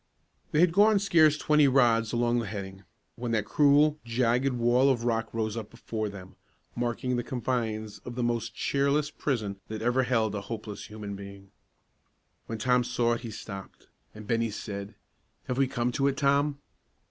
They had gone scarce twenty rods along the heading, when that cruel, jagged wall of rock rose up before them, marking the confines of the most cheerless prison that ever held a hopeless human being. When Tom saw it he stopped, and Bennie said, "Have we come to it, Tom?"